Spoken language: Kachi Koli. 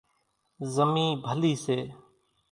زمِي ڀلِي سي۔